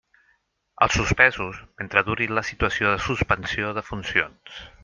Els suspesos, mentre duri la situació de suspensió de funcions.